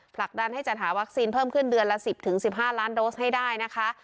ผลักดันให้จัดหาวัคซีนเพิ่มขึ้นเดือนละ๑๐๑๕ล้านโดสให้ได้นะคะ